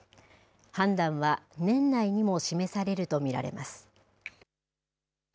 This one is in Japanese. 判断は年内にも示されると見られます。